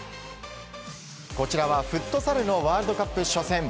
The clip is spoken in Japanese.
こちらはフットサルのワールドカップ初戦。